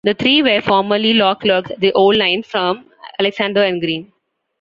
The three were formerly law clerks at the old-line firm Alexander and Green.